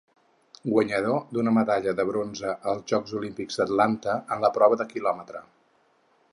Guanyador d'una medalla de bronze als Jocs Olímpics d'Atlanta en la prova de Quilòmetre.